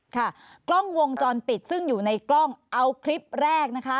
ค่ะกล้องวงจรปิดซึ่งอยู่ในกล้องเอาคลิปแรกนะคะ